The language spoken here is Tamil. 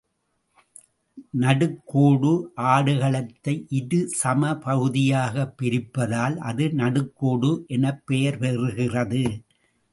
நடுக்கோடு ஆடுகளத்தை இரு சம பகுதியாகப் பிரிப்பதால், அது நடுக்கோடு எனப் பெயர் பெறுகிறது.